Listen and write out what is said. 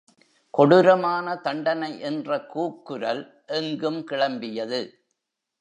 கொடுரமான தண்டனை என்ற கூக்குரல் எங்கும் கிளம்பியது.